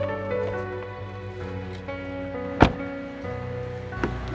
hai bu chandra